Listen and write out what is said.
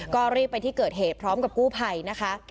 ก็รีบไปที่เกิดเหตุพร้อมกับกู้ภัยนะคะ